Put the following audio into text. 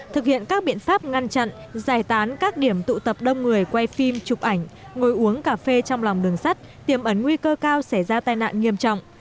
thực hiện các biện pháp ngăn chặn giải tán các điểm tụ tập đông người quay phim chụp ảnh ngồi uống cà phê trong lòng đường sắt tiềm ấn nguy cơ cao xảy ra tai nạn nghiêm trọng